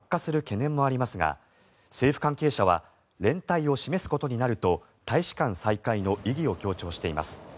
ロシアによる併合宣言で、情勢が再び悪化する懸念もありますが政府関係者は連帯を示すことになると大使館再開の意義を強調しています。